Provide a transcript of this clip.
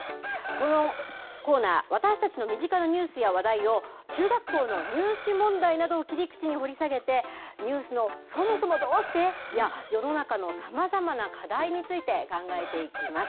このコーナー、私たちの身近なニュースや話題を、中学校の入試問題などを切り口に掘り下げて、ニュースのそもそもどうして？や、世の中のさまざまな課題について考えていきます。